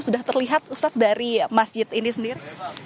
sudah terlihat ustadz dari masjid ini sendiri